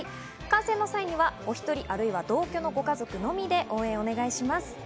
観戦の際にはお１人、あるいは同居のご家族のみで応援をお願いします。